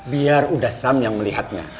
biar udah sam yang melihatnya